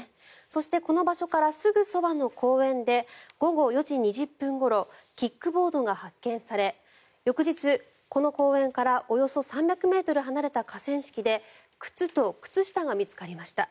そしてこの場所からすぐそばの公園で午後４時２０分ごろキックボードが発見され翌日、この公園からおよそ３００ｍ離れた河川敷で靴と靴下が見つかりました。